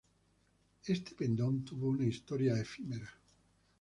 Este pendón tuvo una historia efímera.